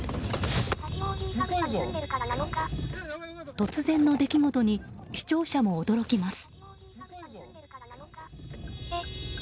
突然の出来事に視聴者も驚きます。